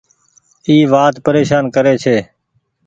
اي وآت پريشان ڪري ڇي۔